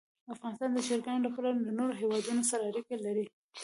افغانستان د چرګانو له پلوه له نورو هېوادونو سره اړیکې لري.